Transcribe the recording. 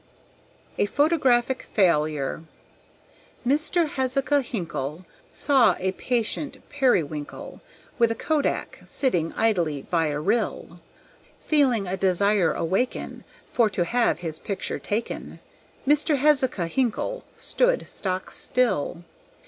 A Photographic Failure Mr. Hezekiah Hinkle Saw a patient Periwinkle With a kodak, sitting idly by a rill. Feeling a desire awaken For to have his picture taken, Mr. Hezekiah Hinkle stood stock still.